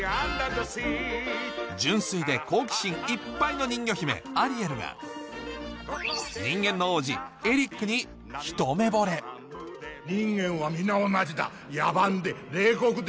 純粋で好奇心いっぱいの人魚姫アリエルが人間の王子エリックに一目ぼれ人間は皆同じだ野蛮で冷酷で。